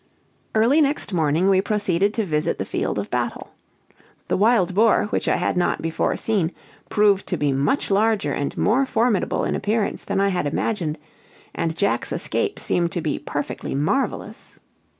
Early next morning we proceeded to visit the field of battle. The wild boar, which I had not before seen, proved to be much larger and more formidable in appearance than I had imagined, and Jack's escape seemed to be perfectly marvelous.